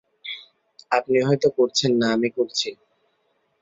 আপনি হয়তো করছেন না, আমি করছি!